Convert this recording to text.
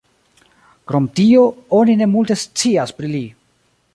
Krom tio, oni ne multe scias pri li.